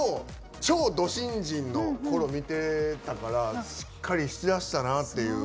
超ド新人のころ見てたからしっかりしだしたなっていう。